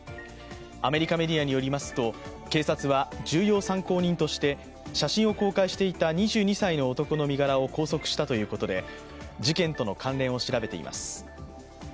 アメリカメディアによりますと警察は重要参考人として写真を公開していた２２歳の男の身柄を拘束したということで事件との関連を調べています。